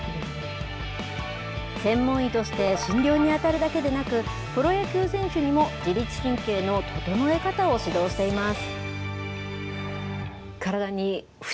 専門医として診療に当たるだけでなく、プロ野球選手にも自律神経の整え方を指導しています。